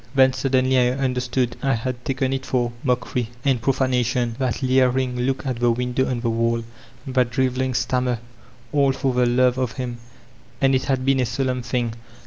'' Then suddenly I understood. I had taken it for ery, and profanation, that leering look at the shadow the wall, that driveling stammer, "All — for the knre— o* him." And it had been a solemn thing!